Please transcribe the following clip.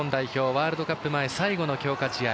ワールドカップ前最後の強化試合。